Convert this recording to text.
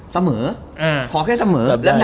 เสมอพอแค่เสมอ